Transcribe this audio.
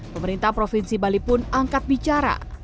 pemerintah provinsi bali pun angkat bicara